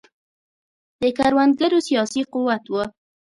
د کروندګرو سیاسي قوت و.